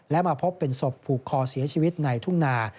และมาพบเป็นศพผูกคอเสียชีวิตในทุ่งนา